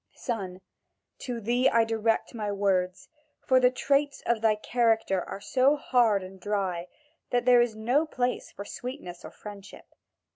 Son, to thee I direct my words, for the traits of thy character are so hard and dry, that there is no place for sweetness or friendship.